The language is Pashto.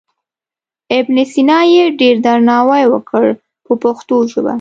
ابن سینا یې ډېر درناوی وکړ په پښتو ژبه.